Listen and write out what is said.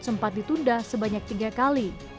sempat ditunda sebanyak tiga kali